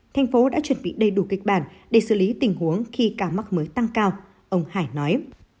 thành phố đã chuẩn bị đầy đủ kịch bản để xử lý tình huống khi ca mắc mới tăng cao ông hải nói